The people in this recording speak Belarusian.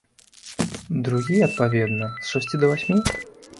Другі, адпаведна, з шасці да васьмі?